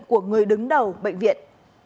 của người đứng đầu bệnh viện